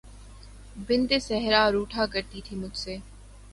بنت صحرا روٹھا کرتی تھی مجھ سے